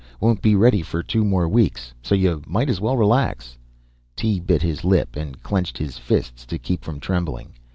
Won't be ready for two more weeks. So you might as well relax." Tee bit his lip, and clenched his fists to keep from trembling.